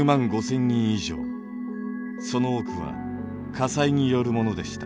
その多くは火災によるものでした。